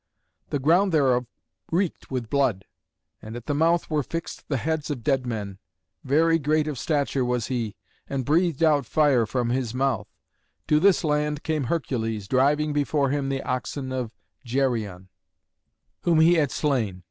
The ground thereof reeked with blood, and at the mouth were fixed the heads of dead men. Very great of stature was he, and breathed out fire from his mouth. To this land came Hercules, driving before him the oxen of Geryon, whom he had slain.